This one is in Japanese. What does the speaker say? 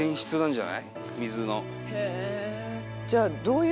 じゃあ。